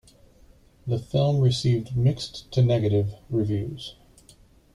The film received mixed-to-negative reviews.